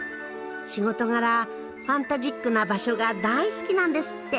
仕事柄ファンタジックな場所が大好きなんですって。